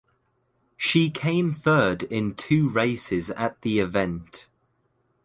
She came third in two races at the event.